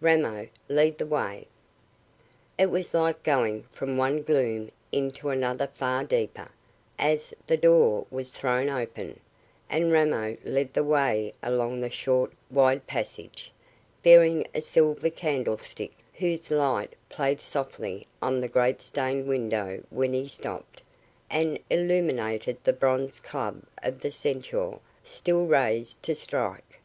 Ramo, lead the way." It was like going from one gloom into another far deeper, as the door was thrown open, and Ramo led the way along the short, wide passage, bearing a silver candlestick, whose light played softly on the great stained window when he stopped, and illuminated the bronze club of the centaur, still raised to strike.